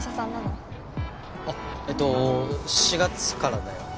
あっえーっと４月からだよ。